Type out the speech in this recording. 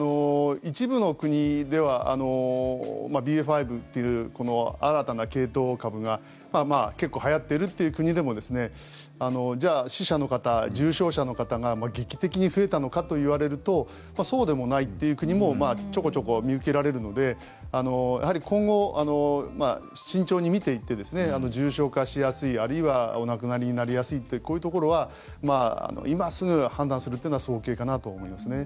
一部の国ではＢＡ．５という新たな系統株が結構はやっているという国でもじゃあ死者の方、重症者の方が劇的に増えたかというとそうでもないという国もちょこちょこ見受けられるのでやはり今後、慎重に見ていって重症化しやすいあるいはお亡くなりになりやすいこういうところは今すぐ判断するというのは早計かなとは思いますね。